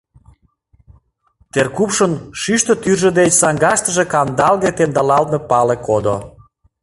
Теркупшын шӱштӧ тӱржӧ деч саҥгаштыже кандалге темдалалтме пале кодо.